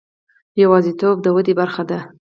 یوازیتوب د ودې برخه ده.